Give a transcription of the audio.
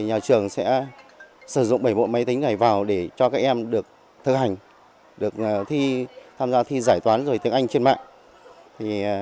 nhà trường sẽ sử dụng bảy bộ máy tính này vào để cho các em được thực hành được thi tham gia thi giải toán rồi tiếng anh trên mạng